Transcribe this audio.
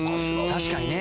確かにね。